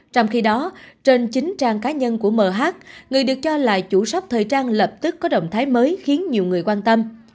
trong khi đó trên chính trang cá nhân của mh người được cho là chủ sóc thời trang lập tức có động thái mới khiến nhiều người quan tâm